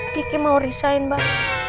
kiki mau resign mbak